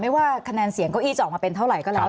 ไม่ว่าคะแนนเสียงก็อีจออกมาเป็นเท่าไรก็แล้ว